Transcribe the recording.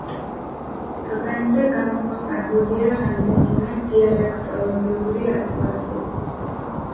დღემდე გამოქვეყნებულია რამდენიმე დიალექტოლოგიური ატლასი.